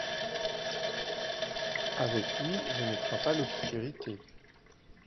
Avec lui, je ne crains pas l'obscurité.